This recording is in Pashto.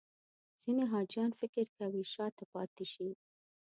ځینې حاجیان فکر کوي شاته پاتې شي.